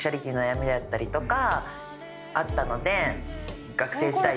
あったので。